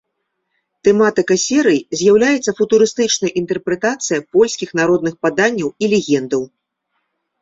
Тэматыка серый з'яўляецца футурыстычная інтэрпрэтацыя польскіх народных паданняў і легендаў.